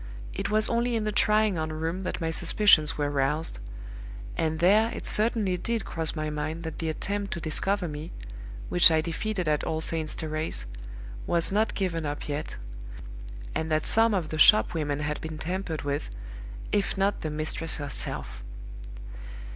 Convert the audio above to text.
It was only in the trying on room that my suspicions were roused; and there it certainly did cross my mind that the attempt to discover me, which I defeated at All Saints' Terrace, was not given up yet, and that some of the shop women had been tampered with, if not the mistress herself.